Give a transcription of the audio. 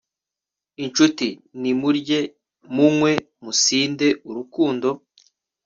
incuti, nimurye, munywe musinde urukundo